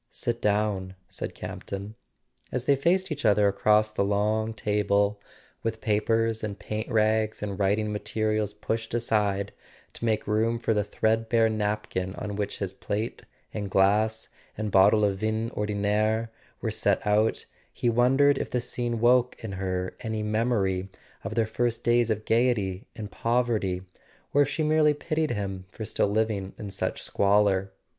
"Sit down," said Campton. As they faced each other across the long table, with papers and paint rags and writing materials pushed aside to make room for the threadbare napkin on which his plate and glass, and bottle of vin ordinaire , were set out, he wondered if the scene woke in her any memory of their first days of gaiety and poverty, or if she merely pitied him for still living in such squalor.